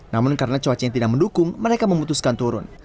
namun karena cuaca yang tidak mendukung mereka memutuskan turun